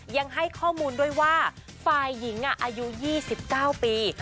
ยังให้ข้อมูลด้วยว่าฝ่ายหญิงอายุ๒๙ปี